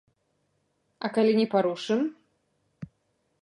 А калі не парушым?